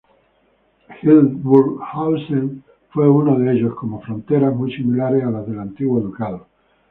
Hildburghausen fue uno de ellos, con fronteras muy similares a las del antiguo ducado.